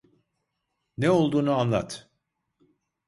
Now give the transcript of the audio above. Ne olduğunu anlat.